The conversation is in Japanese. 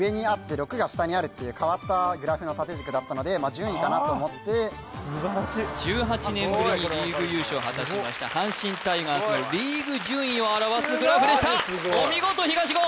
変わったグラフの縦軸だったので順位かなと思って１８年ぶりにリーグ優勝を果たしました阪神タイガースのリーグ順位を表すグラフでしたお見事東言！